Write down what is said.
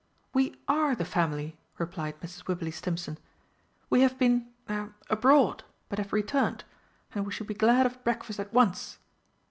"We are the family," replied Mrs. Wibberley Stimpson. "We have been er abroad, but have returned. And we should be glad of breakfast at once."